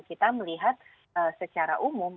kita melihat secara umum